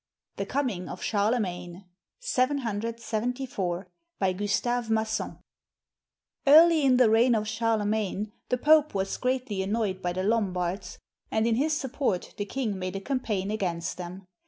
THE COMING OF CHARLEMAGNE BY GUSTAVE MASSON [Early in the reign of Charlemagne, the Pope was greatly annoyed by the Lombards, and in his support the king made a campaign against them.